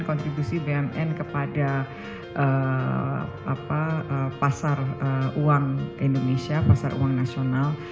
kontribusi bumn kepada pasar uang indonesia pasar uang nasional